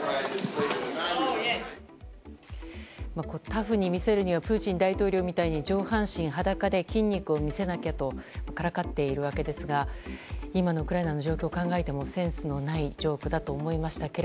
タフに見せるにはプーチン大統領みたいに上半身裸で筋肉を見せなきゃとからかっているわけですが今のウクライナの状況を考えてもセンスのないジョークだと思いましたが。